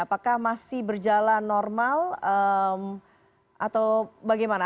apakah masih berjalan normal atau bagaimana